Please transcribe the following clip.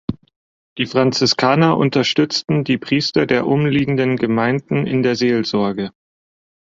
Die Franziskaner unterstützten die Priester der umliegenden Gemeinden in der Seelsorge.